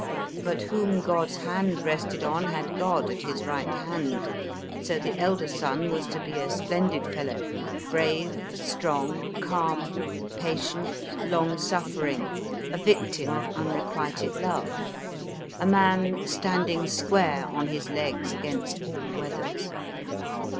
But whom God s hand rested on had God at his right hand ; so the elder son was to be a splendid fellow brave, strong, calm, patient, long suffering, a victim of unrequited love, a man standing square on his legs against all weathers.